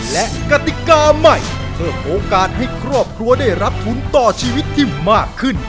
และกติกาใหม่เพิ่มโอกาสให้ครอบครัวได้รับทุนต่อชีวิตที่มากขึ้น